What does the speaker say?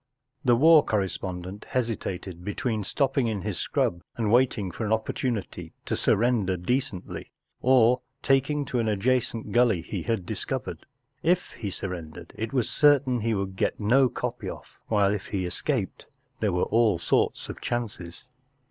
The war correspondent hesitated between stopping in his scrub and waiting for an opportunity to sur¬ render decently, or taking to an adjacent gully he had dis¬ covered, If he sur¬ rendered it was cer¬ tain he would get no copy off; while, if he escaped, there were all sorts of chances.